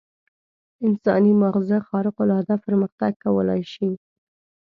انساني ماغزه خارق العاده پرمختګ کولای شي.